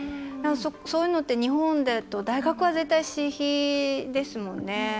そういうのって日本だと大学は絶対、私費ですもんね。